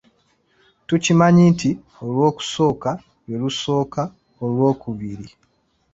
Tukimanyi nti Olwokusooka lwe lusooka Olwokubiri.